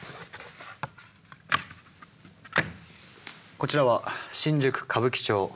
こちらは新宿・歌舞伎町。